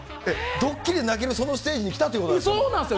ドッキリで泣けるそのステージに来たということなんですか。